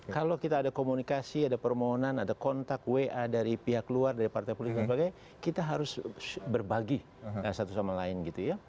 kalau kita ada komunikasi ada permohonan ada kontak wa dari pihak luar dari partai politik dan sebagainya kita harus berbagi satu sama lain gitu ya